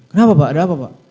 kenapa pak ada apa pak